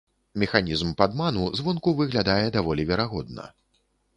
Механізм падману звонку выглядае даволі верагодна.